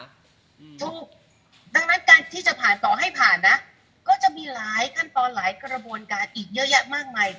ถูกดังนั้นการที่จะผ่านต่อให้ผ่านนะก็จะมีหลายขั้นตอนหลายกระบวนการอีกเยอะแยะมากมาย